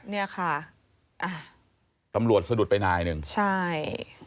เนี่ยค่ะอ่ะตำรวจสะดุดไปนายหนึ่งใช่